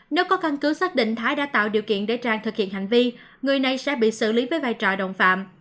nếu có căn cứ xác định thái đã tạo điều kiện để trang thực hiện hành vi người này sẽ bị xử lý với vai trò đồng phạm